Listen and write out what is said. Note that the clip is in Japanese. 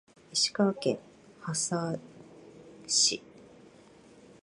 石川県羽咋市